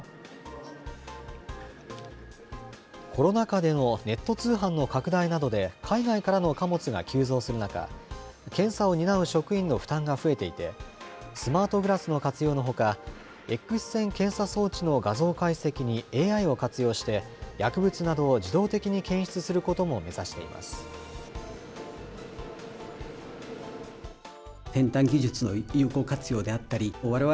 コロナ禍でのネット通販の拡大などで海外からの貨物が急増する中、検査を担う職員の負担が増えていて、スマートグラスの活用のほか、Ｘ線検査装置の画像解析にＡＩを活用して、薬物などを自動的に検出することも目指しています。